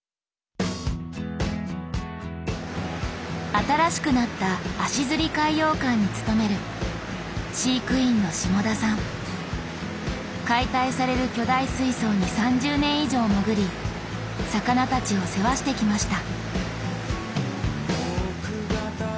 新しくなった足海洋館に勤める解体される巨大水槽に３０年以上潜り魚たちを世話してきました。